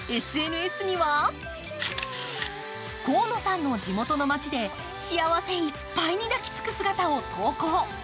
ＳＮＳには河野さんの地元の町で幸せいっぱいに抱きつく姿を投稿。